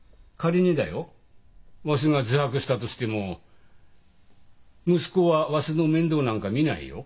わしが自白したとしても息子はわしの面倒なんか見ないよ。